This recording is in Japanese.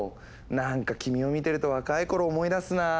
なんか君を見てると若い頃を思い出すなあ。